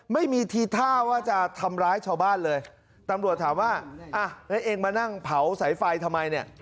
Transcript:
ไม่มีทีท่าว่าจะทำร้ายชาวบ้านเลยตำรวจถามว่าอ่ะแล้วเองมานั่งเผาสายไฟทำไมเนี่ย